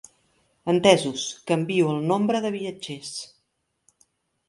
Entesos, canvio el nombre de viatgers.